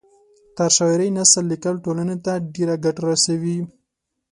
تر شاعرۍ نثر لیکل ټولنۍ ته ډېره ګټه رسوي